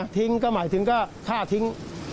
ทิ้งก็หมายถึงก็ฆ่าทิ้ง